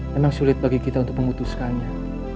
memang sulit bagi kita untuk memutuskannya